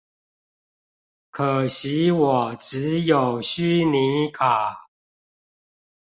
可惜我只有虛擬卡